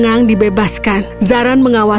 yang dipilih oleh saya cuma "